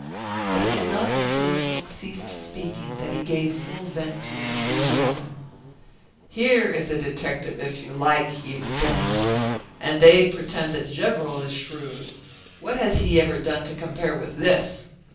But it was not until Lecoq ceased speaking that he gave full vent to his enthusiasm: "Here is a detective if you like!" he exclaimed. "And they pretend that Gevrol is shrewd! What has he ever done to compare with this?